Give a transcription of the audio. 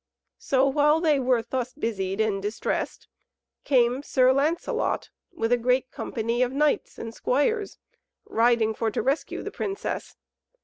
So while they were thus busied and distressed, came Sir Lancelot with a great company of knights and squires riding for to rescue the princess.